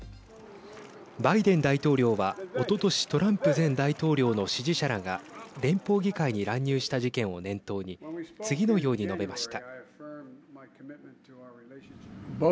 バイデン大統領はおととしトランプ前大統領の支持者らが連邦議会に乱入した事件を念頭に次のように述べました。